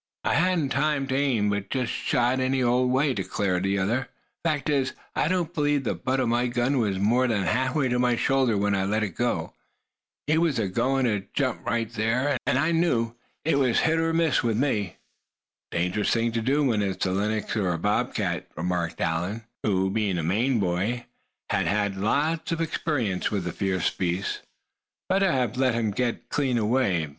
"I hadn't time to aim, but just shot any old way," declared the other. "Fact is, I don't believe the butt of my gun was more'n half way to my shoulder when I let go. He was agoin' to jump right then, and I knew it was hit or miss with me." "A dangerous thing to do when it's a lynx or a bob cat," remarked Allan, who, being a Maine boy, had had lots of experience with the fierce beasts. "Better have let him get clean away.